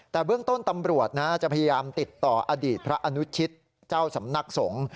แต่เบื้องต้นตำรวจจะพยายามติดต่ออดีตพระอนุชิตเจ้าสำนักสงฆ์